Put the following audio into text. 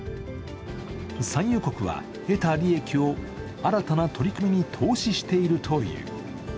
産油国は出た利益を新たな取り組みに投資しているという。